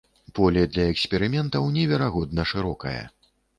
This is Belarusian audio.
Поле для эксперыментаў неверагодна шырокае.